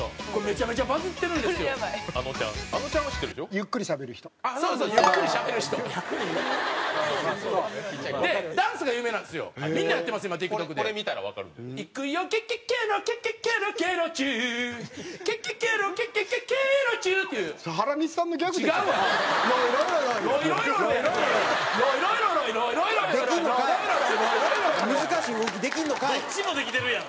どっちもできてるやん。